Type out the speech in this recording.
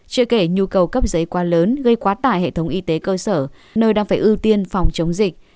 chưa kể nhu cầu cấp giấy quá lớn gây quá tải hệ thống y tế cơ sở nơi đang phải ưu tiên phòng chống dịch